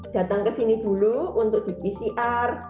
datang ke sini dulu untuk di pcr